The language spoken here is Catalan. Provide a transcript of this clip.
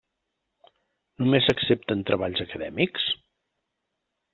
Només s'accepten treballs acadèmics?